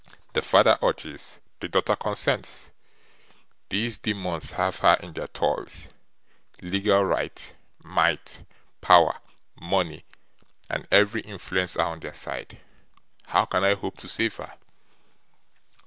The father urges, the daughter consents. These demons have her in their toils; legal right, might, power, money, and every influence are on their side. How can I hope to save her?